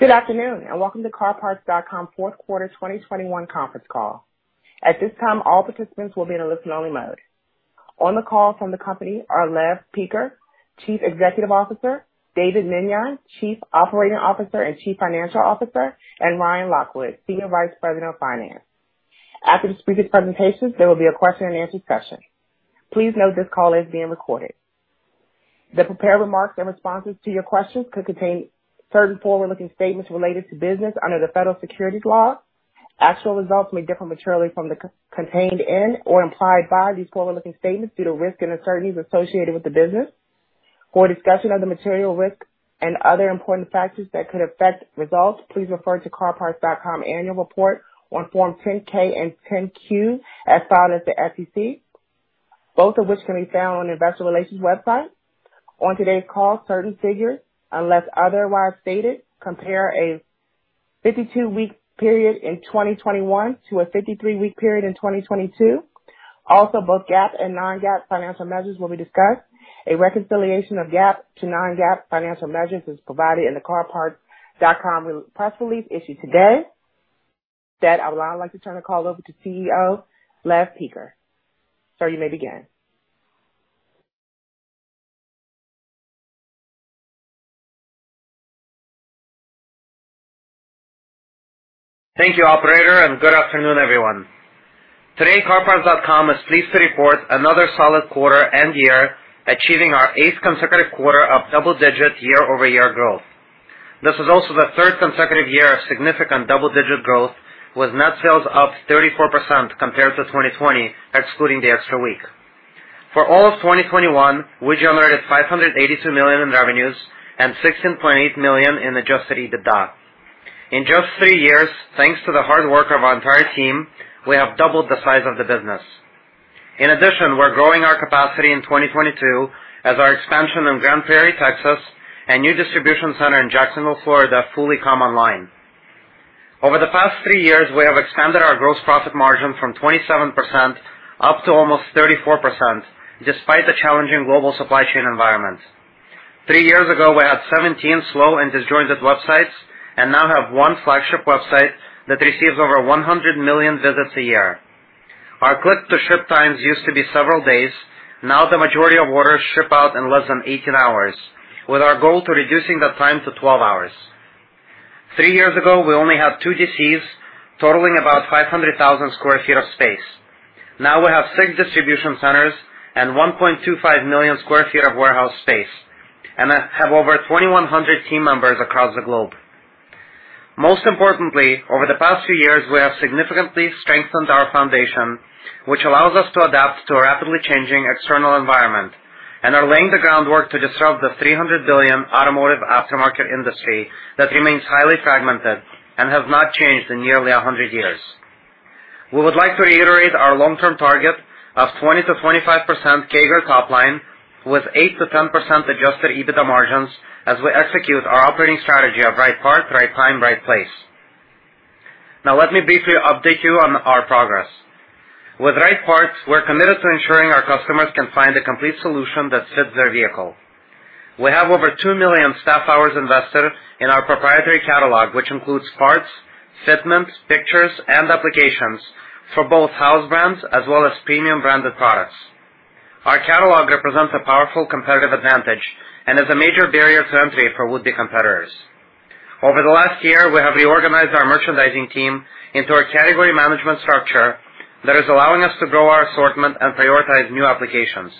Good afternoon, and welcome to CarParts.com fourth quarter 2021 conference call. At this time, all participants will be in a listen-only mode. On the call from the company are Lev Peker, Chief Executive Officer, David Meniane, Chief Operating Officer and Chief Financial Officer, and Ryan Lockwood, Senior Vice President of Finance. After the speakers' presentations, there will be a question-and-answer session. Please note this call is being recorded. The prepared remarks and responses to your questions could contain certain forward-looking statements related to the business under the federal securities laws. Actual results may differ materially from the contained in or implied by these forward-looking statements due to risks and uncertainties associated with the business. For a discussion of the material risks and other important factors that could affect results, please refer to CarParts.com annual report on Form 10-K and 10-Q as filed at the SEC, both of which can be found on investor relations website. On today's call, certain figures, unless otherwise stated, compare a 52-week period in 2021 to a 53-week period in 2022. Also, both GAAP and non-GAAP financial measures will be discussed. A reconciliation of GAAP to non-GAAP financial measures is provided in the CarParts.com press release issued today. With that, I would now like to turn the call over to CEO, Lev Peker. Sir, you may begin. Thank you, operator, and good afternoon, everyone. Today, CarParts.com is pleased to report another solid quarter and year, achieving our eighth consecutive quarter of double-digit year-over-year growth. This is also the third consecutive year of significant double-digit growth, with net sales up 34% compared to 2020, excluding the extra week. For all of 2021, we generated $582 million in revenues and $16.8 million in Adjusted EBITDA. In just three years, thanks to the hard work of our entire team, we have doubled the size of the business. In addition, we're growing our capacity in 2022 as our expansion in Grand Prairie, Texas, and new distribution center in Jacksonville, Florida, fully come online. Over the past three years, we have expanded our gross profit margin from 27% up to almost 34%, despite the challenging global supply chain environment. Three years ago, we had 17 slow and disjointed websites and now have one flagship website that receives over 100 million visits a year. Our click-to-ship times used to be several days. Now, the majority of orders ship out in less than 18 hours, with our goal to reducing the time to 12 hours. Three years ago, we only had two DCs totaling about 500,000 sq ft of space. Now we have six distribution centers and 1.25 million sq ft of warehouse space, and have over 2,100 team members across the globe. Most importantly, over the past few years, we have significantly strengthened our foundation, which allows us to adapt to a rapidly changing external environment, and we are laying the groundwork to disrupt the $300 billion automotive aftermarket industry that remains highly fragmented and has not changed in nearly 100 years. We would like to reiterate our long-term target of 20%-25% CAGR top line, with 8%-10% Adjusted EBITDA margins as we execute our operating strategy of right part, right time, right place. Now, let me briefly update you on our progress. With right parts, we're committed to ensuring our customers can find the complete solution that fits their vehicle. We have over two million staff hours invested in our proprietary catalog, which includes parts, fitments, pictures, and applications for both house brands as well as premium branded products. Our catalog represents a powerful competitive advantage and is a major barrier to entry for would-be competitors. Over the last year, we have reorganized our merchandising team into a category management structure that is allowing us to grow our assortment and prioritize new applications.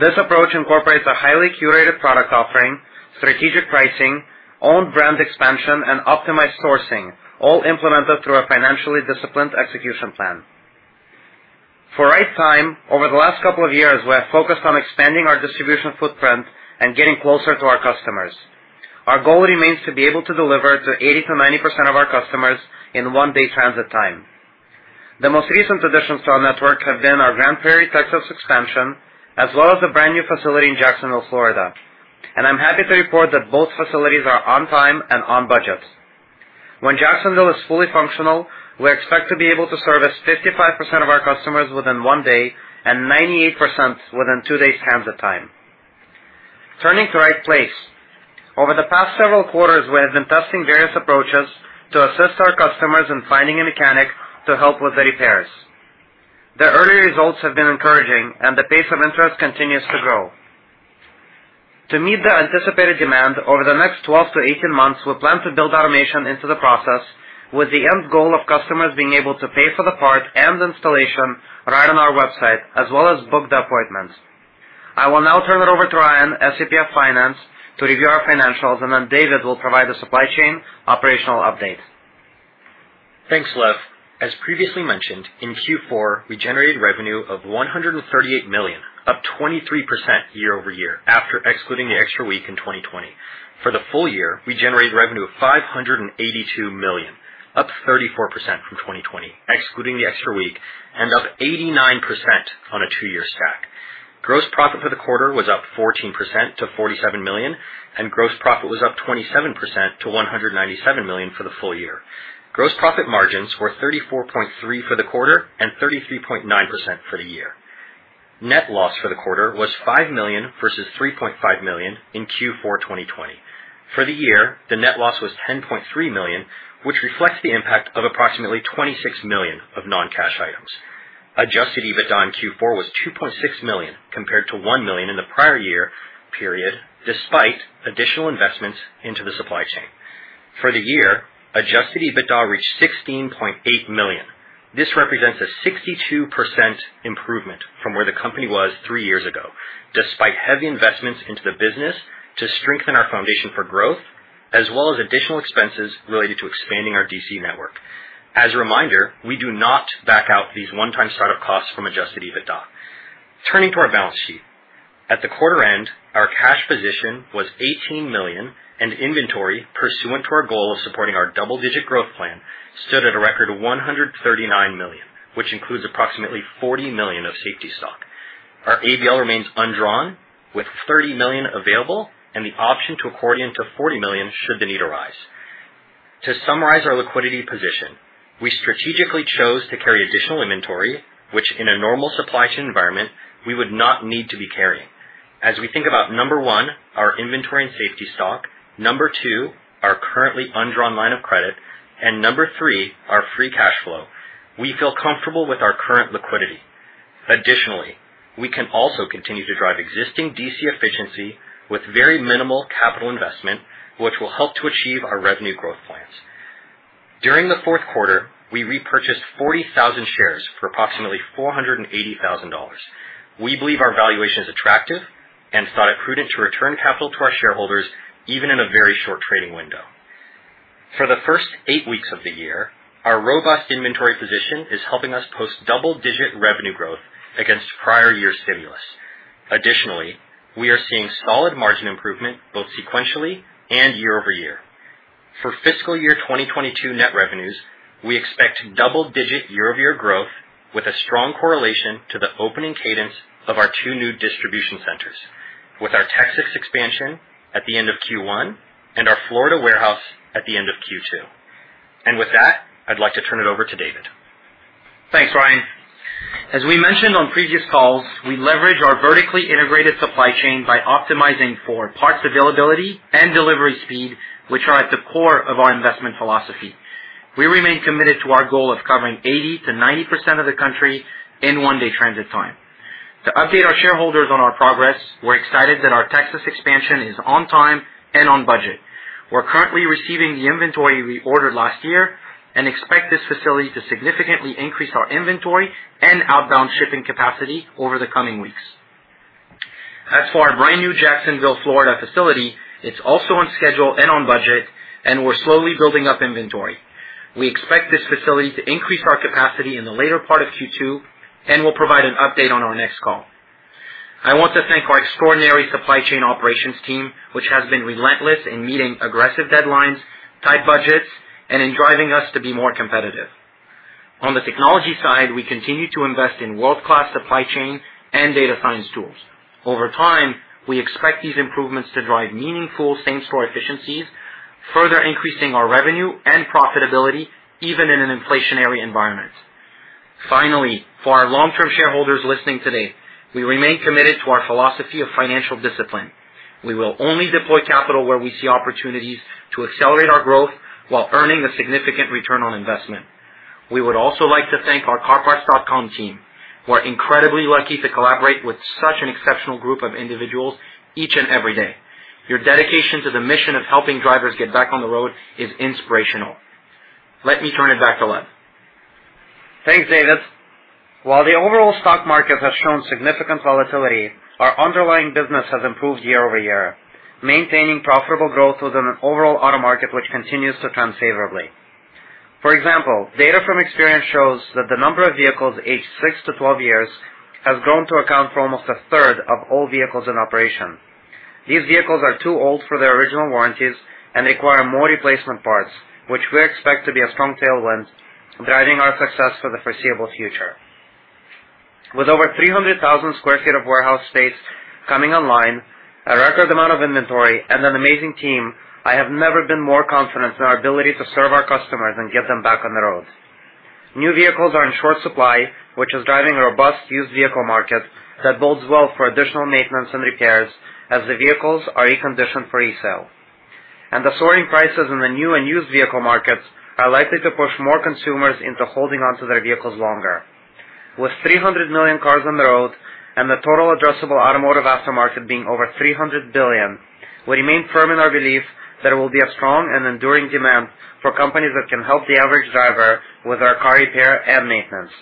This approach incorporates a highly curated product offering, strategic pricing, own brand expansion, and optimized sourcing, all implemented through a financially disciplined execution plan. For right now, over the last couple of years, we have focused on expanding our distribution footprint and getting closer to our customers. Our goal remains to be able to deliver to 80%-90% of our customers in one-day transit time. The most recent additions to our network have been our Grand Prairie, Texas, expansion, as well as the brand-new facility in Jacksonville, Florida. I'm happy to report that both facilities are on time and on budget. When Jacksonville is fully functional, we expect to be able to service 55% of our customers within one day and 98% within two days transit time. Turning to Right Place. Over the past several quarters, we have been testing various approaches to assist our customers in finding a mechanic to help with the repairs. The early results have been encouraging, and the pace of interest continues to grow. To meet the anticipated demand over the next 12-18 months, we plan to build automation into the process, with the end goal of customers being able to pay for the part and installation right on our website, as well as book the appointments. I will now turn it over to Ryan, SVP of Finance, to review our financials, and then David will provide the supply chain operational update. Thanks, Lev. As previously mentioned, in Q4, we generated revenue of $138 million, up 23% year-over-year after excluding the extra week in 2020. For the full year, we generated revenue of $582 million, up 34% from 2020, excluding the extra week, and up 89% on a two-year stack. Gross profit for the quarter was up 14% to $47 million, and gross profit was up 27% to $197 million for the full year. Gross profit margins were 34.3% for the quarter and 33.9% for the year. Net loss for the quarter was $5 million versus $3.5 million in Q4 2020. For the year, the net loss was $10.3 million, which reflects the impact of approximately $26 million of non-cash items. Adjusted EBITDA in Q4 was $2.6 million compared to $1 million in the prior year period, despite additional investments into the supply chain. For the year, Adjusted EBITDA reached $16.8 million. This represents a 62% improvement from where the company was three years ago, despite heavy investments into the business to strengthen our foundation for growth, as well as additional expenses related to expanding our DC network. As a reminder, we do not back out these one-time start-up costs from Adjusted EBITDA. Turning to our balance sheet. At the quarter end, our cash position was $18 million, and inventory, pursuant to our goal of supporting our double-digit growth plan, stood at a record $139 million, which includes approximately $40 million of safety stock. Our ABL remains undrawn with $30 million available and the option to accordion to $40 million should the need arise. To summarize our liquidity position, we strategically chose to carry additional inventory, which in a normal supply chain environment, we would not need to be carrying. As we think about number one, our inventory and safety stock, number two, our currently undrawn line of credit, and number three, our free cash flow, we feel comfortable with our current liquidity. Additionally, we can also continue to drive existing DC efficiency with very minimal capital investment, which will help to achieve our revenue growth plans. During the Q4, we repurchased 40,000 shares for approximately $480,000. We believe our valuation is attractive and thought it prudent to return capital to our shareholders even in a very short trading window. For the first eight weeks of the year, our robust inventory position is helping us post double-digit revenue growth against prior-year stimulus. Additionally, we are seeing solid margin improvement both sequentially and year-over-year. For fiscal year 2022 net revenues, we expect double-digit year-over-year growth with a strong correlation to the opening cadence of our two new distribution centers with our Texas expansion at the end of Q1 and our Florida warehouse at the end of Q2. With that, I'd like to turn it over to David. Thanks, Ryan. As we mentioned on previous calls, we leverage our vertically integrated supply chain by optimizing for parts availability and delivery speed, which are at the core of our investment philosophy. We remain committed to our goal of covering 80%-90% of the country in one-day transit time. To update our shareholders on our progress, we're excited that our Texas expansion is on time and on budget. We're currently receiving the inventory we ordered last year and expect this facility to significantly increase our inventory and outbound shipping capacity over the coming weeks. As for our brand-new Jacksonville, Florida, facility, it's also on schedule and on budget, and we're slowly building up inventory. We expect this facility to increase our capacity in the later part of Q2, and we'll provide an update on our next call. I want to thank our extraordinary supply chain operations team, which has been relentless in meeting aggressive deadlines, tight budgets, and in driving us to be more competitive. On the technology side, we continue to invest in world-class supply chain and data science tools. Over time, we expect these improvements to drive meaningful same-store efficiencies, further increasing our revenue and profitability, even in an inflationary environment. Finally, for our long-term shareholders listening today, we remain committed to our philosophy of financial discipline. We will only deploy capital where we see opportunities to accelerate our growth while earning a significant return on investment. We would also like to thank our carparts.com team. We're incredibly lucky to collaborate with such an exceptional group of individuals each and every day. Your dedication to the mission of helping drivers get back on the road is inspirational. Let me turn it back to Lev. Thanks, David. While the overall stock market has shown significant volatility, our underlying business has improved year-over-year, maintaining profitable growth within an overall auto market, which continues to trend favorably. For example, data from Experian shows that the number of vehicles aged six to 12 years has grown to account for almost a third of all vehicles in operation. These vehicles are too old for their original warranties and require more replacement parts, which we expect to be a strong tailwind driving our success for the foreseeable future. With over 300,000 sq ft of warehouse space coming online, a record amount of inventory, and an amazing team, I have never been more confident in our ability to serve our customers and get them back on the road. New vehicles are in short supply, which is driving a robust used vehicle market that bodes well for additional maintenance and repairs as the vehicles are reconditioned for resale. The soaring prices in the new and used vehicle markets are likely to push more consumers into holding onto their vehicles longer. With 300 million cars on the road and the total addressable automotive aftermarket being over $300 billion, we remain firm in our belief that it will be a strong and enduring demand for companies that can help the average driver with their car repair and maintenance.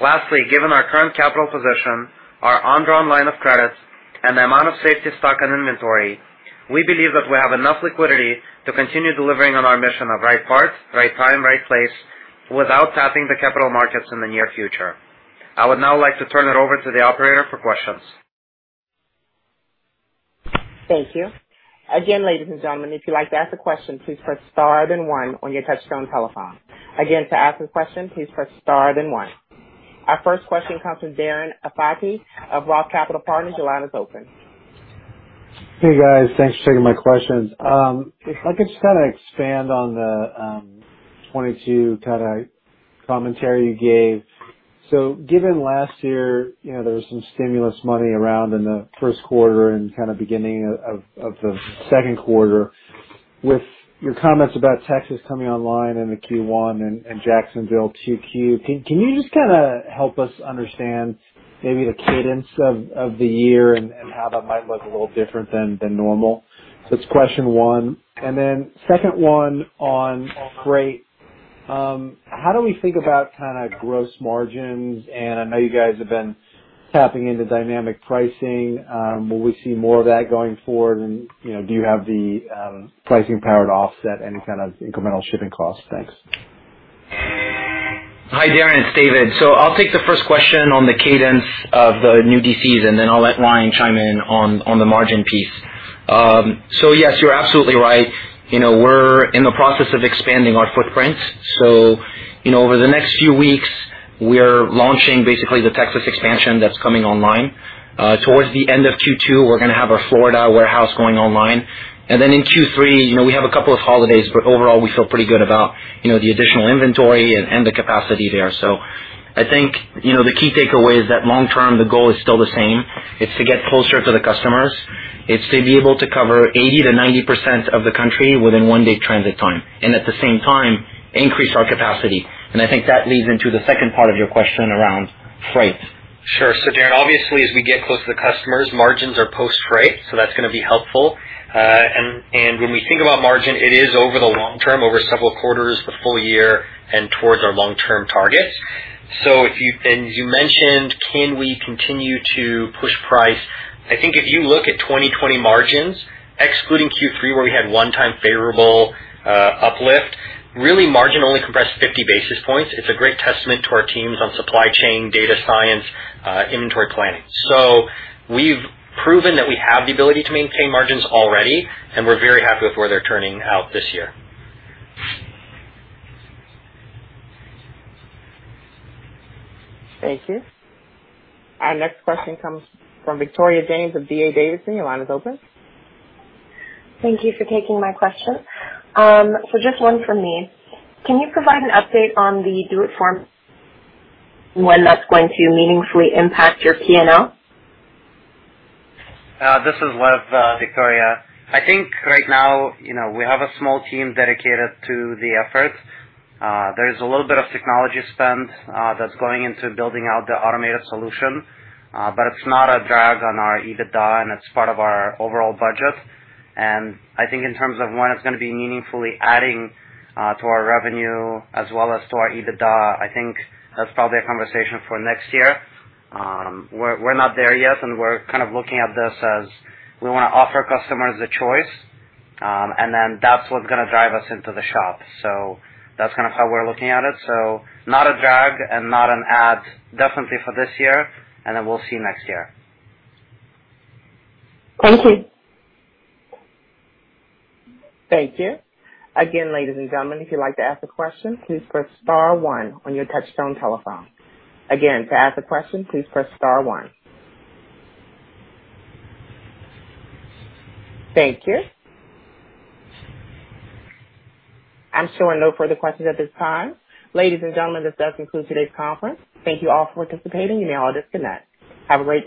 Lastly, given our current capital position, our undrawn line of credits, and the amount of safety stock and inventory, we believe that we have enough liquidity to continue delivering on our mission of right parts, right time, right place, without tapping the capital markets in the near future. I would now like to turn it over to the operator for questions. Thank you. Again, ladies and gentlemen, if you'd like to ask a question, please press star then one on your touchtone telephone. Again, to ask a question, please press star then one. Our first question comes from Darren Aftahi of ROTH Capital Partners. Your line is open. Hey guys, thanks for taking my questions. If I could just kinda expand on the 2022 kinda commentary you gave. Given last year, you know, there was some stimulus money around in the first quarter and kinda beginning of the second quarter. With your comments about Texas coming online in the Q1 and Jacksonville 2Q, can you just kinda help us understand maybe the cadence of the year and how that might look a little different than normal? It's question one. Then second one on freight. How do we think about kinda gross margins? I know you guys have been tapping into dynamic pricing. Will we see more of that going forward? You know, do you have the pricing power to offset any kind of incremental shipping costs? Thanks. Hi, Darren, it's David. I'll take the first question on the cadence of the new DCs, and then I'll let Ryan chime in on the margin piece. Yes, you're absolutely right. You know, we're in the process of expanding our footprint. You know, over the next few weeks we're launching basically the Texas expansion that's coming online. Towards the end of Q2, we're gonna have our Florida warehouse going online. And then in Q3, you know, we have a couple of holidays, but overall we feel pretty good about, you know, the additional inventory and the capacity there. I think, you know, the key takeaway is that long term, the goal is still the same. It's to get closer to the customers. It's to be able to cover 80%-90% of the country within one day transit time, and at the same time increase our capacity. I think that leads into the second part of your question around freight. Sure. Darren, obviously as we get closer to customers, margins are post-freight, so that's gonna be helpful. When we think about margin, it is over the long term, over several quarters, the full year and towards our long-term targets. If you mentioned, can we continue to push price? I think if you look at 2020 margins, excluding Q3 where we had one-time favorable uplift, really margin only compressed 50 basis points. It's a great testament to our teams on supply chain, data science, inventory planning. We've proven that we have the ability to maintain margins already, and we're very happy with where they're turning out this year. Thank you. Our next question comes from Victoria James of D.A. Davidson. Your line is open. Thank you for taking my question. Just one from me. Can you provide an update on the do-it-for-me, when that's going to meaningfully impact your P&L? This is Lev, Victoria. I think right now, you know, we have a small team dedicated to the effort. There is a little bit of technology spend, that's going into building out the automated solution, but it's not a drag on our EBITDA and it's part of our overall budget. I think in terms of when it's gonna be meaningfully adding, to our revenue as well as to our EBITDA, I think that's probably a conversation for next year. We're not there yet, and we're kind of looking at this as we wanna offer customers a choice, and then that's what's gonna drive us into the shop. That's kind of how we're looking at it. Not a drag and not an add definitely for this year, and then we'll see next year. Thank you. Thank you. Again, ladies and gentlemen, if you'd like to ask a question, please press star one on your touchtone telephone. Again, to ask a question, please press star one. Thank you. I'm showing no further questions at this time. Ladies and gentlemen, this does conclude today's conference. Thank you all for participating. You may all disconnect. Have a great day.